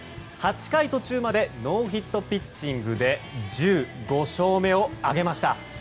８回途中までノーヒットピッチングで１５勝目を挙げました。